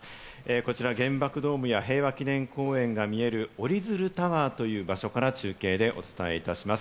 こちら原爆ドームや平和記念公園が見える、おりづるタワーという場所から中継でお伝えいたします。